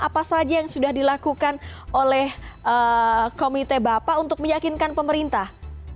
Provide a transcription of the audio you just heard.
apa saja yang sudah dilakukan oleh komite bapak untuk meyakinkan pemerintah